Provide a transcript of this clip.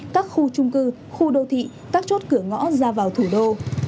các khu trung cư khu đô thị các chốt cửa ngõ ra vào thủ đô